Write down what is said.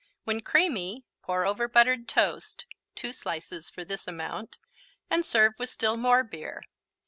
When creamy, pour over buttered toast (2 slices for this amount) and serve with still more beer.